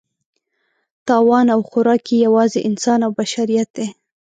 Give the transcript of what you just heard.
تاوان او خوراک یې یوازې انسان او بشریت دی.